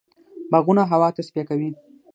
باغونه هوا تصفیه کوي.